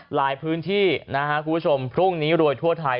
หลายพื้นที่นะฮะคุณผู้ชมพรุ่งนี้รวยทั่วไทย